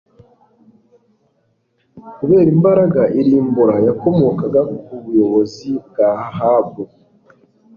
Kubera imbaraga irimbura yakomokaga ku buyobozi bwa Ahabu